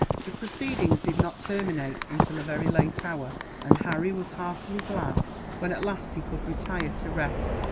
The proceedings did not terminate until a very late hour, and Harry was heartily glad when at last he could retire to rest.